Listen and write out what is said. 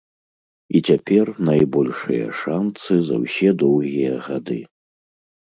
І цяпер найбольшыя шанцы за ўсе доўгія гады.